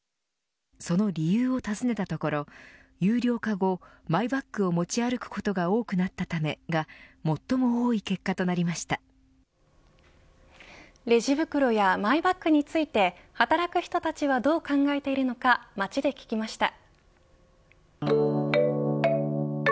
その理由を尋ねたところ有料化後マイバッグを持ち歩くことが多くなったためがレジ袋やマイバッグについて働く人たちはどう考えているのか街で聞きました。